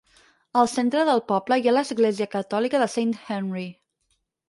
Al centre del poble hi ha l'església catòlica de Saint Henry.